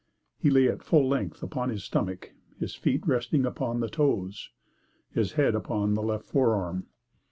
He lay at full length, upon his stomach, his feet resting upon the toes, his head upon the left forearm.